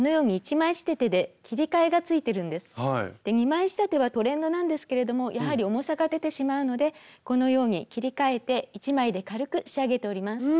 ２枚仕立てはトレンドなんですけれどもやはり重さが出てしまうのでこのように切り替えて１枚で軽く仕上げております。